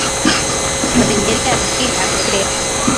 Rejelea vile umesema